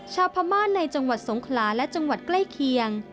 ชาวพม่าในจังหวัดสงขลาและจังหวัดใกล้เคียง